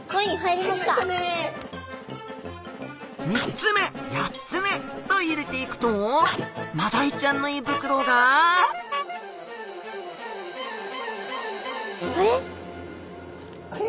３つ目４つ目と入れていくとマダイちゃんの胃袋があれ？